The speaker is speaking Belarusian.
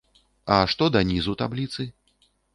А што да нізу табліцы?